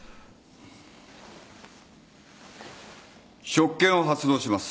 職権を発動します。